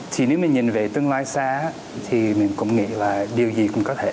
thì nếu mình nhìn về tương lai xa thì mình cũng nghĩ là điều gì cũng có thể